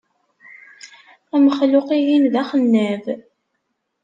Amexluq-ihin d axennab.